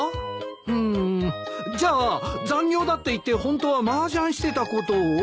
うんじゃあ残業だって言ってホントはマージャンしてたことを？